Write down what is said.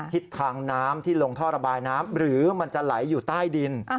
ทิศทางน้ำที่ลงท่อระบายน้ำหรือมันจะไหลอยู่ใต้ดิน